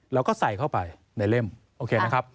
แล้วก็ใส่เข้าไปในเล่มโอเคนะครับ